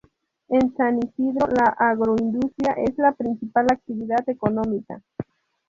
En San Isidro, la agroindustria, es la principal actividad económica.